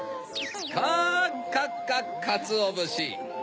かっかっかかつおぶし！